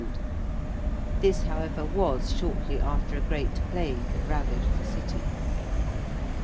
This, however, was shortly after a great Plague had ravaged the City.